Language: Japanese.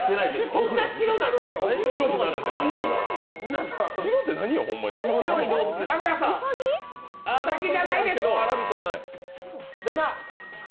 そんな白くなるんですか？